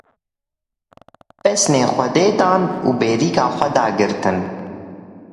Pesinê Xwedê dan û bêrîka xwe dagirtin.